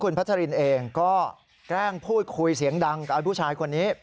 พัชรินเองก็แกล้งพูดคุยเสียงดังกับผู้ชายคนนี้